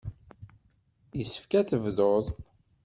Yessefk ad tebduḍ.